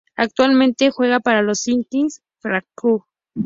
Actualmente juega para los Skyliners Frankfurt.